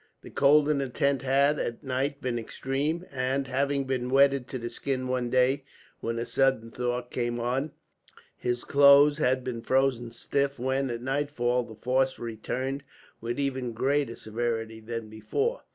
The cold in the tent had, at night, been extreme; and, having been wetted to the skin one day, when a sudden thaw came on, his clothes had been frozen stiff when, at nightfall, the frost returned with even greater severity than before.